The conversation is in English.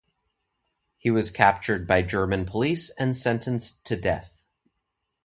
He was captured by German police and sentenced to death.